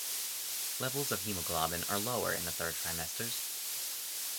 Levels of hemoglobin are lower in the third trimesters.